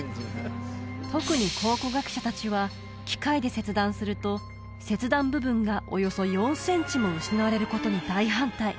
特に考古学者達は機械で切断すると切断部分がおよそ４センチも失われることに大反対